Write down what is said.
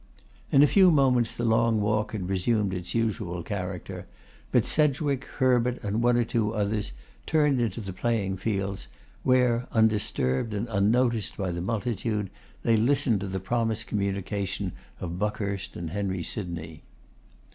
In a few moments the Long Walk had resumed its usual character; but Sedgwick, Herbert, and one or two others turned into the playing fields, where, undisturbed and unnoticed by the multitude, they listened to the promised communication of Buckhurst and Henry Sydney.